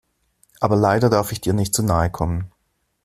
Aber leider darf ich dir nicht zu nahe kommen.